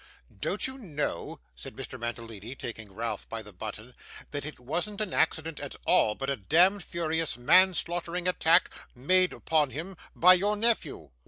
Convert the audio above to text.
'Don't you know,' said Mr. Mantalini, taking Ralph by the button, 'that it wasn't an accident at all, but a demd, furious, manslaughtering attack made upon him by your nephew?